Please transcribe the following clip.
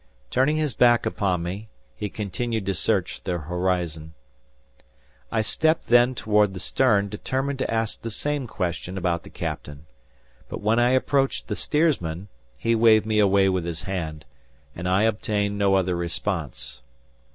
Turning his back upon me, he continued to search the horizon. I stepped then toward the stern, determined to ask the same question about the Captain. But when I approached the steersman, he waved me away with his hand, and I obtained no other response.